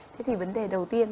thế thì vấn đề đầu tiên